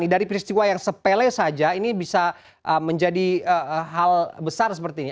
dari peristiwa yang sepele saja ini bisa menjadi hal besar seperti ini